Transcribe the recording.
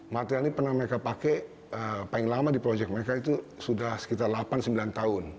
material ini pernah mereka pakai paling lama di proyek mereka itu sudah sekitar delapan sembilan tahun